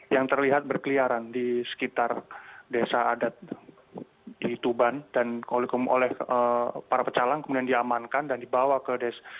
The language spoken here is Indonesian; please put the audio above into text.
yang terlihat berkeliaran di sekitar desa adat di tuban dan oleh para pecalang kemudian diamankan dan dibawa ke desa